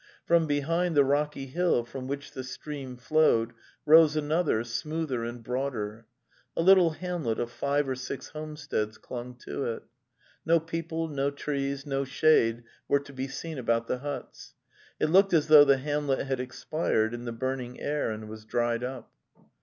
From behind the rocky hill from which the stream flowed rose an other, smoother and broader; a little hamlet of five or six homesteads clung to it. No people, no trees, no shade were to be seen about the huts; it looked as though the hamlet had expired in the burning air and was dried up.